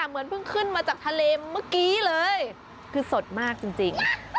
เหมือนเพิ่งขึ้นมาจากทะเลเมื่อกี้เลยคือสดมากจริง